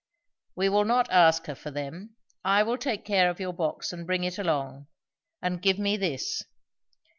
"We will not ask her for them. I will take care of your box and bring it along. And give me this."